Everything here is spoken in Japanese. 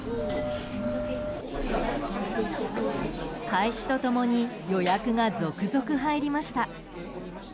開始と共に予約が続々入りました。